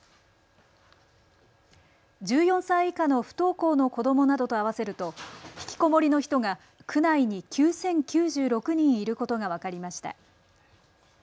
１４歳以下の不登校の子どもなどと合わせるとひきこもりの人が区内に９０９６人いることが分かりました。